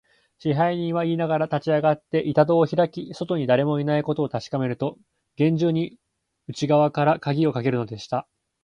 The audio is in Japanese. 支配人はいいながら、立ちあがって、板戸をひらき、外にだれもいないことをたしかめると、げんじゅうに内がわからかぎをかけるのでした。